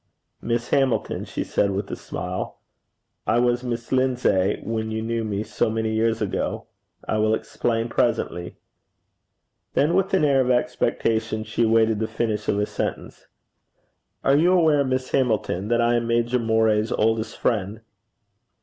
'Miss Hamilton,' she said with a smile. 'I was Miss Lindsay when you knew me so many years ago. I will explain presently.' Then with an air of expectation she awaited the finish of his sentence. 'Are you aware, Miss Hamilton, that I am Major Moray's oldest friend?'